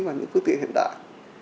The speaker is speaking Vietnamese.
và những phương tiện hiện đại